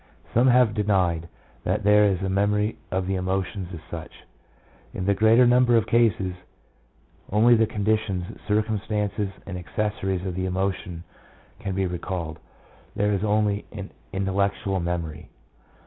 Some have denied that there is a memory of the emotions as such. " In the greater number of cases, only the conditions, circumstances, and accessories of the emotion can be recalled ; there is only an intellectual memory."